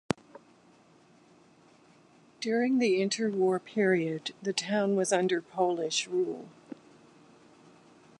During the interwar period the town was under Polish rule.